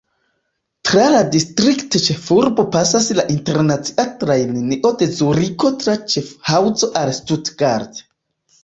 Tra la distriktĉefurbo pasas la internacia trajnlinio de Zuriko tra Ŝafhaŭzo al Stuttgart.